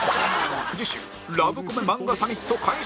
次週ラブコメ漫画サミット開催